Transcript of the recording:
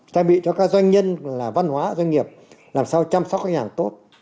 trang bị cho các doanh nhân là văn hóa doanh nghiệp làm sao chăm sóc khách hàng tốt